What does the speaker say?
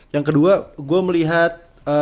yang kedua gua melihat